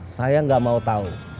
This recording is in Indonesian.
saya gak mau tau